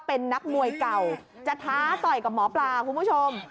เป็นนักมวยเก่าจะท้าต่อยกับหมอปลาคุณผู้ชม